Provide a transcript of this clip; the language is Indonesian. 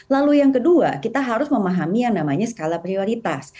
lalu yang kedua kita harus memahami yang namanya skala prioritas